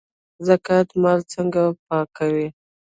زکات مال څنګه پاکوي؟